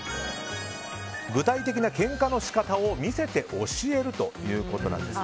具体的なけんかの仕方を見せて教えるということです。